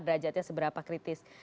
derajatnya seberapa kritis